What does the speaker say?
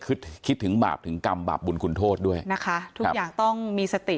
คิดคิดถึงบาปถึงกรรมบาปบุญคุณโทษด้วยนะคะทุกอย่างต้องมีสติ